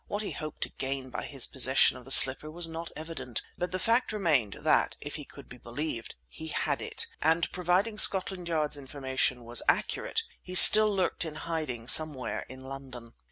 What he hoped to gain by his possession of the slipper was not evident, but the fact remained that if he could be believed, he had it, and provided Scotland Yard's information was accurate, he still lurked in hiding somewhere in London.